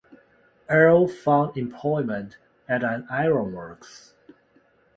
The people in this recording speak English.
Earl found employment at an iron works.